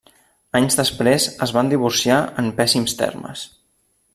Anys després es van divorciar en pèssims termes.